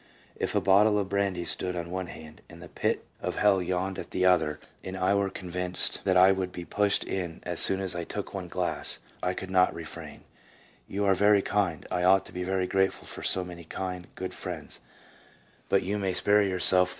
If a bottle of brandy stood on one hand, and the pit of hell yawned at the other, and I were convinced that I would be pushed in as soon as I took one glass, I could not refrain. You are very kind: I ought to be very grateful for so many kind, good friends ; but you may spare yourself the 1 G. H. Lewes, Physical Basis of Mind, p. 327. 2 G. R. Wilson, Drunkenness.